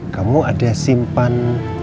kamu ada simpan